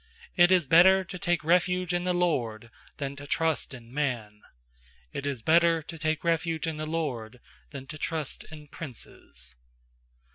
8It is better to take refuge in the LORD Than to trust in man. 9It is better to take refuge in the LORD Than to trust in princes.